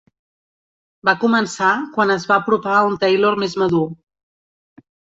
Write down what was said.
Va començar quan es va apropar a un Taylor més madur.